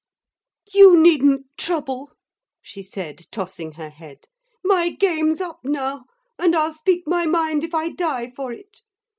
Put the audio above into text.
'You needn't trouble,' she said, tossing her head; 'my game's up now, and I'll speak my mind if I die for it.